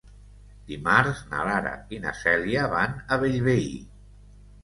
Dimarts na Lara i na Cèlia van a Bellvei.